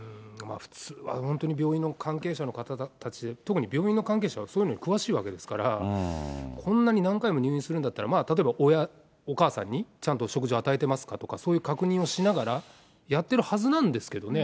普通は本当に病院の関係者の方たち、特に病院の関係者はそういうのに詳しいわけですから、こんなに何回も入院するんだったら、まあ例えばお母さんに、ちゃんと食事を与えてますかとか、そういう確認をしながら、やってるはずなんですけどね。